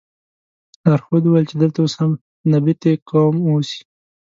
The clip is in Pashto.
لارښود وویل چې دلته اوس هم نبطي قوم اوسي.